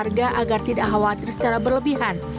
polisi menghimbau warga agar tidak khawatir secara berlebihan